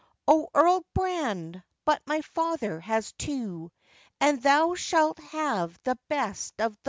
'O, Earl Brand, but my father has two, And thou shalt have the best of tho'.